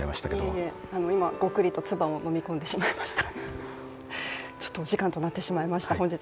いえいえ、いま、ごくりとつばをのみ込んでしまいました。